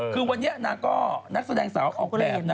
คือวันนี้นางก็นักแสดงสาวออกแบบนะ